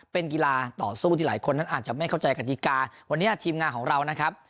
เป็นกีฬาต่อสู้ที่หลายคนนั้นอาจจะไม่เข้าใจกฎิกาวันนี้ทีมงานของเรานะครับ